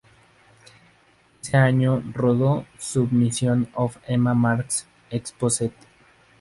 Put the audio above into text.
Ese año rodó "Submission Of Emma Marx: Exposed".